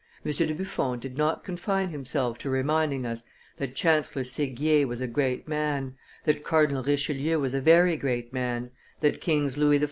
"M. de Buffon did not confine himself to reminding us that Chancellor Seguier was a great man, that Cardinal Richelieu was a very great man, that Kings Louis XIV.